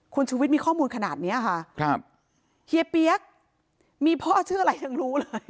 คุณชุวิตมีข้อมูลขนาดเนี้ยค่ะครับเฮียเปี๊ยกมีพ่อชื่ออะไรยังรู้เลย